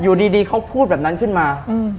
อยู่ดีเขาพูดแบบนั้นขึ้นมา